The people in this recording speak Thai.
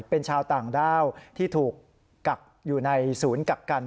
เป็นชาวต่างด้าวที่ถูกกักอยู่ในศูนย์กักกัน